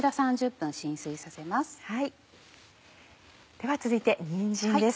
では続いてにんじんです。